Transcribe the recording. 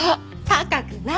高くない！